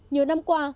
nhiều năm qua